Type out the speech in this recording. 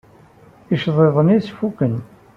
Iceḍḍiḍen-nnes fuken.